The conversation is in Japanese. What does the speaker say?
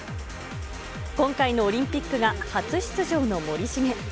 今回のオリンピックが初出場の森重。